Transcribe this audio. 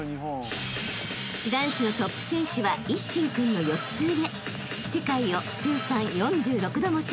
［男子のトップ選手は一心君の４つ上］